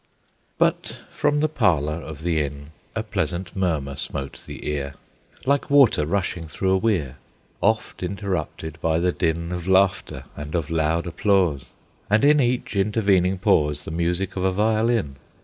But from the parlor of the inn A pleasant murmur smote the ear, Like water rushing through a weir; Oft interrupted by the din Of laughter and of loud applause, And, in each intervening pause, The music of a violin.